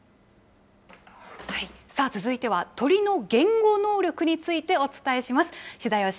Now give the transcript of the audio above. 続いては、鳥の言語能力についてお伝えします。